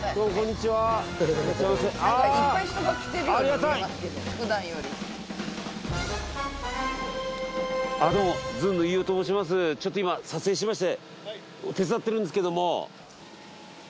ちょっと今撮影してまして手伝ってるんですけども。